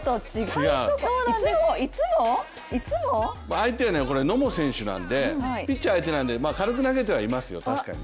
相手は野茂選手なんでピッチャーなんで軽く投げてはいますよ、確かに。